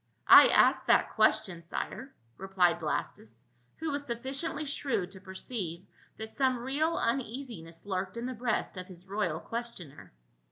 "I asked that question, sire," replied Blastus, who was sufficiently shrewd to perceive that some real un easiness lurked in the brea.st of his royal questioner.